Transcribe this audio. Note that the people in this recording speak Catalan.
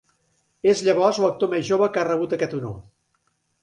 És llavors l'actor més jove que ha rebut aquest honor.